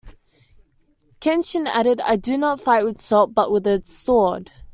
Kenshin added, "I do not fight with salt, but with the sword".